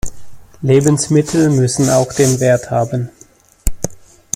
Lebensmittel müssen auch den Wert haben.